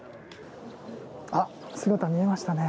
姿、見えましたね。